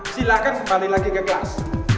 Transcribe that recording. silakan kembali lagi ke kelas